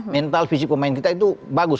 mental fisik pemain kita itu bagus